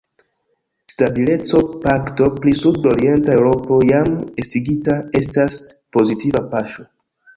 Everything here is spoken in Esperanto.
Stabileco-pakto pri sud-orienta Eŭropo, jam estigita, estas pozitiva paŝo.